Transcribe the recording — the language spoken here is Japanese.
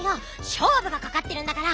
しょうぶがかかってるんだから。